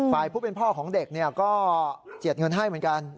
ฝ่ายผู้เป็นพ่อของเด็กก็เจียดเงินให้เหมือนกัน